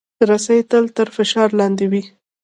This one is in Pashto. رسۍ تل تر فشار لاندې وي.